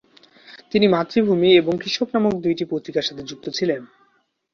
তিনি মাতৃভূমি এবং কৃষক নামক দুটি পত্রিকার সাথে যুক্ত ছিলেন।